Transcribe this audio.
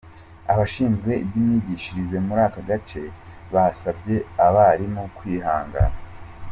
Abashinzwe iby’imyigishirize muri aka gace, basabye aba barimu kwihangana.